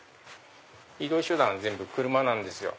移動手段は全部車なんですよ。